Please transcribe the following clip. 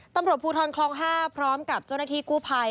ตำรวจภูทรคลอง๕พร้อมกับเจ้าหน้าที่กู้ภัย